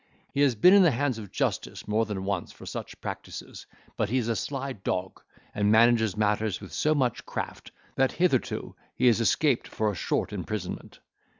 He has been in the hands of justice more than once for such practices, but he is a sly dog, and manages matters with so much craft, that hitherto he has escaped for a short imprisonment.